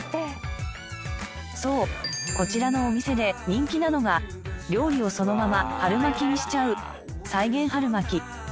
そうこちらのお店で人気なのが料理をそのまま春巻きにしちゃう再現春巻き。